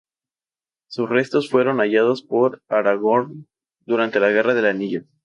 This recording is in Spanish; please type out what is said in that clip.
Sus restos fueron hallados por Aragorn durante la Guerra del Anillo.